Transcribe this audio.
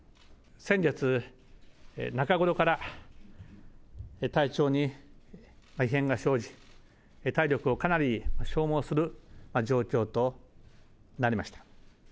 先月中頃から、体調に異変が生じ、体力をかなり消耗する状況となりました。